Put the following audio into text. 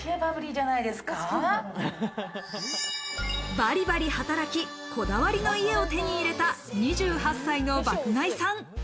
バリバリ働きこだわりの家を手に入れた、２８歳の爆買いさん。